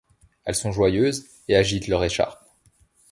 Elles sont joyeuses et agitent leur écharpe.